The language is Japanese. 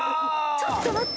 ちょっと待って。